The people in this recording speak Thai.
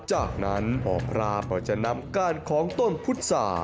จากนั้นหมอปลาก็จะนำก้านของต้นพุษา